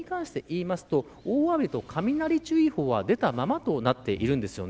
ただ、取手に関して言いますと大雨と雷注意報は出たままとなっています。